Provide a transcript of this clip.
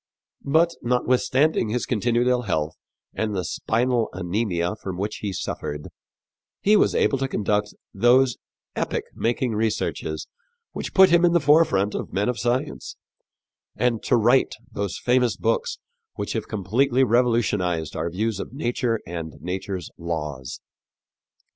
" But, notwithstanding his continued ill health and the spinal anemia from which he suffered, he was able to conduct those epoch making researches which put him in the forefront of men of science, and to write those famous books which have completely revolutionized our views of nature and nature's laws.